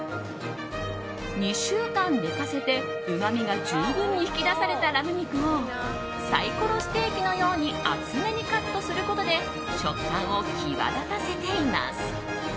２週間寝かせて、うまみが十分に引き出されたラム肉をサイコロステーキのように厚めにカットすることで食感を際立たせています。